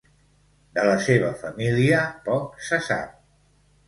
De la seva família poc se sap.